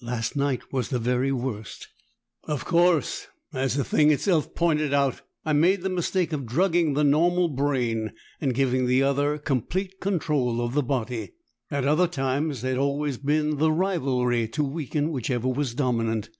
"Last night was the very worst!" "Of course. As the thing itself pointed out, I made the mistake of drugging the normal brain and giving the other complete control of the body. At other times, there'd always been the rivalry to weaken whichever was dominant."